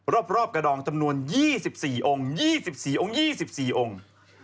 รอบกระดองจำนวน๒๔องค์๒๔องค์๒๔องค์